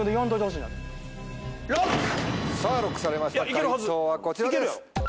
解答はこちらです。